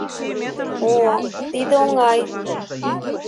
О-о, тиде оҥай!